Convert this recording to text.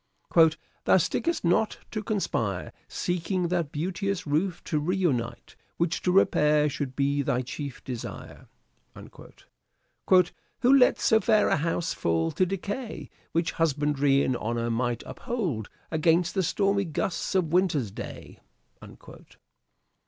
" "Thou stick'st not to conspire, Seeking that beauteous roof to ruinate Which to repair should be thy chief desire." '' Who lets so fair a house fall to decay, Which husbandry in honour might uphold Against the stormy gusts of winter's day ?